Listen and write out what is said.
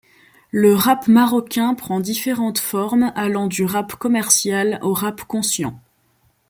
Le rap marocain prend différentes formes allant du rap commercial au rap conscient.